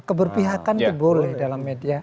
keberpihakan itu boleh dalam media